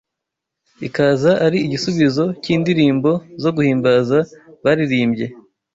ikaza ari igisubizo cy’indirimbo zo guhimbaza baririmbye.